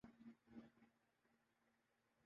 آج نواز شریف نے مشروط اجازت قبول کرنے سے انکار کیا ہے۔